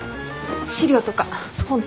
資料とか本とか。